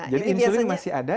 jadi insulin masih ada